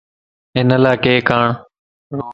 ھن لاڪيڪ آڻ